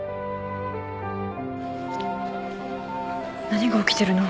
何が起きてるの？